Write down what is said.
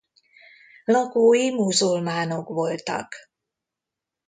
Lakói muzulmánok voltak.